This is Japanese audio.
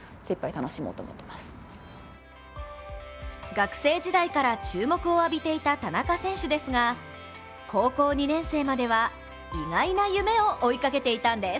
学生時代から注目を浴びていた田中選手ですが高校２年生までは意外な夢を追いかけていたんです。